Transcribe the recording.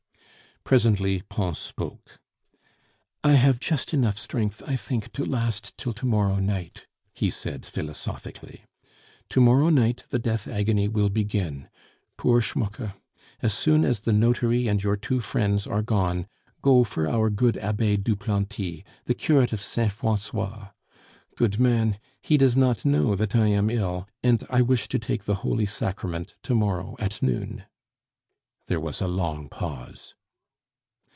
Presently Pons spoke. "I have just enough strength, I think, to last till to morrow night," he said philosophically. "To morrow night the death agony will begin; poor Schmucke! As soon as the notary and your two friends are gone, go for our good Abbe Duplanty, the curate of Saint Francois. Good man, he does not know that I am ill, and I wish to take the holy sacrament to morrow at noon." There was a long pause.